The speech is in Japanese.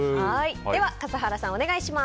では、笠原さんお願いします。